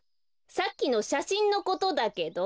さっきのしゃしんのことだけど。